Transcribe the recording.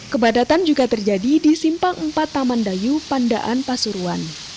kepadatan juga terjadi di simpang empat taman dayu pandaan pasuruan